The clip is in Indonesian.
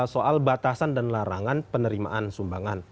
soal batasan dan larangan penerimaan sumbangan